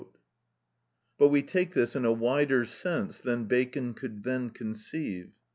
13). But we take this in a wider sense than Bacon could then conceive.